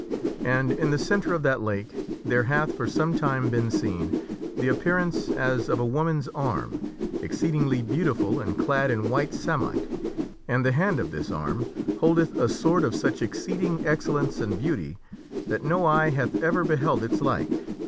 And in the centre of that lake there hath for some time been seen the appearance as of a woman's arm exceedingly beautiful and clad in white samite, and the hand of this arm holdeth a sword of such exceeding excellence and beauty that no eye hath ever beheld its like.